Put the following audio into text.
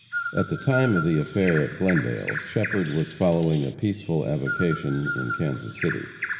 At the time of the affair at Glendale, Shepherd was following a peaceful avocation in Kansas City.